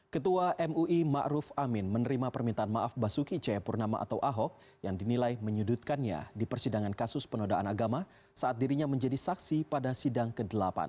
ketua mui ⁇ maruf ⁇ amin menerima permintaan maaf basuki cahayapurnama atau ahok yang dinilai menyudutkannya di persidangan kasus penodaan agama saat dirinya menjadi saksi pada sidang ke delapan